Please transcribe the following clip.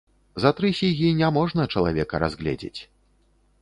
За тры сігі няможна чалавека разгледзець.